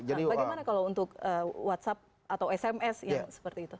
nah bagaimana kalau untuk whatsapp atau sms yang seperti itu